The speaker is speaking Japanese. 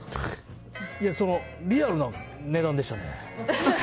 その、リアルな値段でしたね。